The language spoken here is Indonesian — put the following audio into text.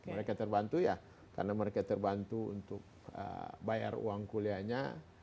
mereka terbantu ya karena mereka terbantu untuk bayar uang kuliahnya